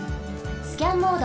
スキャンモード。